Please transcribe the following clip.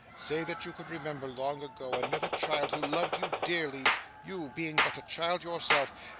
Say, that you could remember, long ago, another child who loved you dearly, you being but a child yourself.